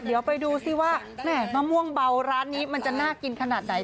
เดี๋ยวไปดูสิว่าแม่มะม่วงเบาร้านนี้มันจะน่ากินขนาดไหน